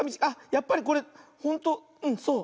やっぱりこれほんとうんそう。